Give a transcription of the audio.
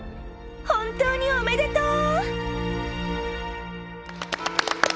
本当におめでとう！